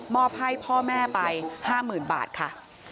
อบให้พ่อแม่ไป๕๐๐๐บาทค่ะ